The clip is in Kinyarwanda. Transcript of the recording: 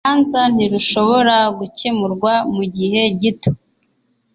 Uru rubanza ntirushobora gukemurwa mugihe gito.